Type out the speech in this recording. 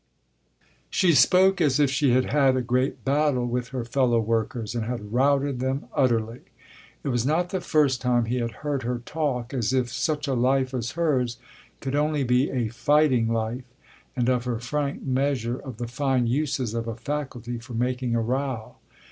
She spoke as if she had had a great battle with her fellow workers and had routed them utterly. It was not the first time he had heard her talk as if such a life as hers could only be a fighting life and of her frank measure of the fine uses of a faculty for making a row.